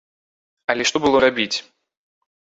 Але што было рабіць?